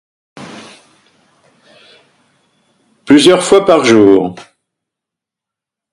Plusieurs fois par jour.